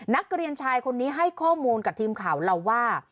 นักเรียนชายคนนี้ให้ข้อมูลกับทีมข่าวเราว่า